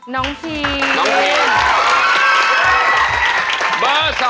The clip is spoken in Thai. น้องพีมพีมต้องกินนะคะฮ่า